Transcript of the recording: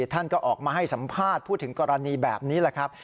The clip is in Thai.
ท่านก็ออกมาให้สัมภาษณ์พูดถึงกรณีแบบนี้แหละครับ